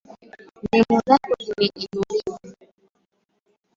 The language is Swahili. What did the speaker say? Neno lako limeinuliwa.